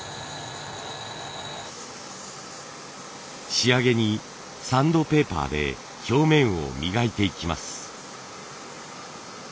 仕上げにサンドペーパーで表面を磨いていきます。